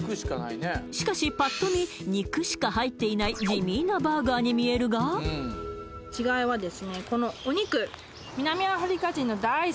しかしパッと見肉しか入っていない地味なバーガーに見えるが？になってるんです